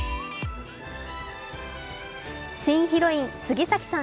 新ヒロイン・杉崎さん